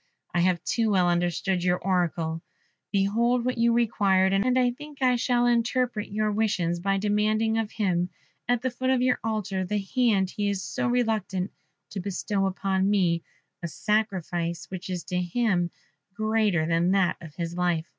I have too well understood your oracle; behold what you required, and I think I shall interpret your wishes by demanding of him, at the foot of your altar, the hand he is so reluctant to bestow on me; a sacrifice which is to him greater than that of his life."